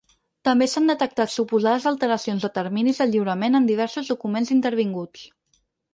També s’han detectat suposades alteracions de terminis de lliurament en diversos documents intervinguts.